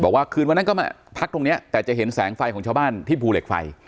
คืนวันนั้นก็มาพักตรงนี้แต่จะเห็นแสงไฟของชาวบ้านที่ภูเหล็กไฟ